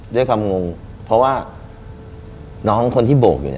ด้วยความงงเพราะว่าน้องคนที่โบกอยู่เนี่ย